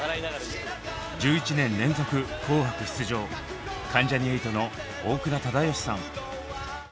１１年連続「紅白」出場関ジャニ∞の大倉忠義さん。